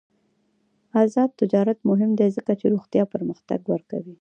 آزاد تجارت مهم دی ځکه چې روغتیا پرمختګ ورکوي.